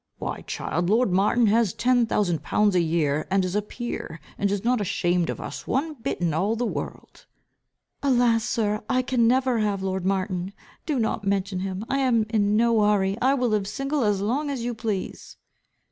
Why, child, lord Martin has ten thousand pounds a year, and is a peer, and is not ashamed of us one bit in all the world." "Alas, sir, I can never have lord Martin. Do not mention him. I am in no hurry. I will live single as long as you please."